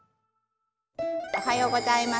おはようございます。